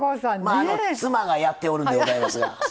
まあ妻がやっておるんでございますが。